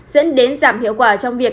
dẫn đến giảm hiệu quả trong việc